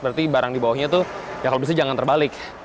berarti barang di bawahnya tuh ya kalau disini jangan terbalik